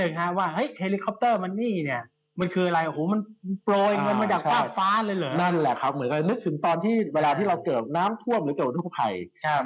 นั่นแหละครับเหมือนกับนึกถึงตอนที่เวลาที่เราเกิดน้ำท่วมหรือเกิดอุปไผ่